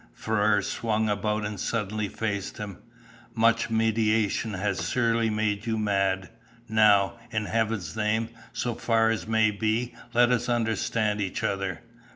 Ferrars swung about and suddenly faced him. "Much meditation has surely made you mad. Now, in heaven's name, so far as may be, let us understand each other.